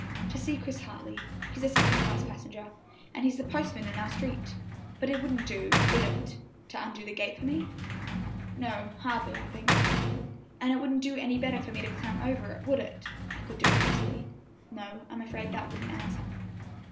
"To see Chris Hartley; he's a second class passenger, and he's the postman in our street; but it wouldn't do, would it, to undo the gate for me?" "No, hardly, I think," "And it wouldn't do any better for me to climb over it, would it? I could do it easily." "No, I'm afraid that wouldn't answer."